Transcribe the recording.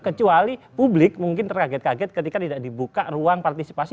kecuali publik mungkin terkaget kaget ketika tidak dibuka ruang partisipasi